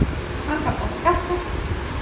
manka paqchasqa